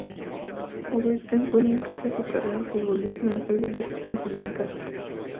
Obed Rincón empieza su carrera futbolista en la Fuerzas básicas del Necaxa.